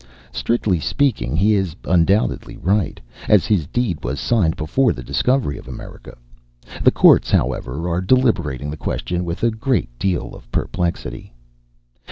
Strictly speaking, he is undoubtedly right, as his deed was signed before the discovery of America. The courts, however, are deliberating the question with a great deal of perplexity.